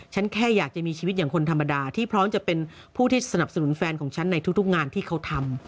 ฉันแค่อยากจะมีชีวิตอย่างคนธรรมดาที่พร้อมจะเป็นผู้ที่สนับสนุนแฟนของฉันในทุกงานที่เขาทำ